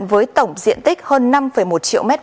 với tổng diện tích hơn năm một triệu m hai